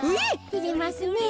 てれますねえ。